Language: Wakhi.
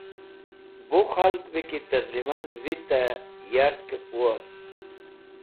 Bu khalg bẽ ki tẽr lẽman vitẽ yarkẽb wost